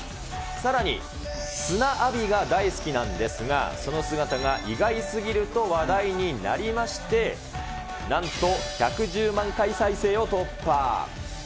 さらに砂浴びが大好きなんですが、その姿が意外すぎると話題になりまして、なんと１１０万回再生を突破。